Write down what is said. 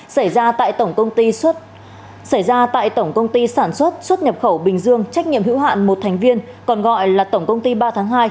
xảy ra tại tổng công ty sản xuất xuất nhập khẩu bình dương trách nhiệm hữu hạn một thành viên còn gọi là tổng công ty ba tháng hai